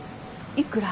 いくら。